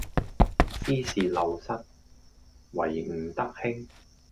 斯是陋室，惟吾德馨